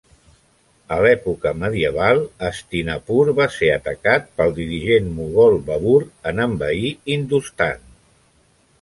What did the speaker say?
A l'època medieval, Hastinapur va ser atacat pel dirigent mogol Babur en envair Hindustan.